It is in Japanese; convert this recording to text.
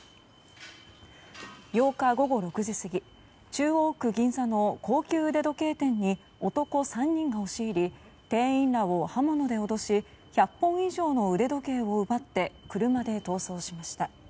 ８日午後６時過ぎ中央区銀座の高級腕時計店に男３人が押し入り店員らを刃物で脅し１００本以上の腕時計を奪って車で逃走しました。